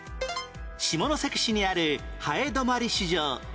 下関市にある南風泊市場